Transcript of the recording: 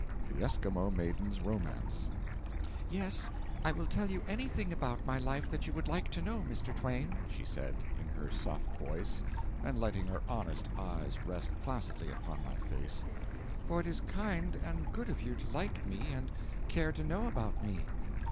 THE ESQUIMAUX MAIDEN'S ROMANCE 'Yes, I will tell you anything about my life that you would like to know, Mr. Twain,' she said, in her soft voice, and letting her honest eyes rest placidly upon my face, 'for it is kind and good of you to like me and care to know about me.'